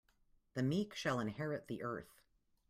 The meek shall inherit the earth.